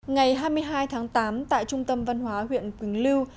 ngày hai mươi hai tháng tám tại trung tâm văn hóa huyện quỳnh lưu